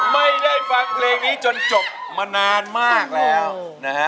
ไม่ได้ฟังเพลงนี้จนจบมานานมากแล้วนะฮะ